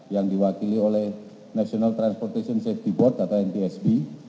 yang diwakili oleh national transportation safety board atau ntsb